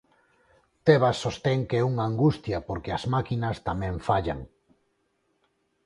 Tebas sostén que é unha angustia porque as máquinas tamén fallan.